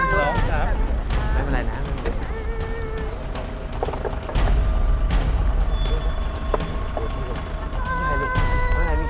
หนูจะหาพ่อหนูจะหาแม่